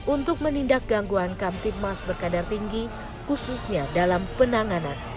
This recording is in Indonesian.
untuk menindak gangguan kamtipmas berkadar tinggi khususnya dalam penanganan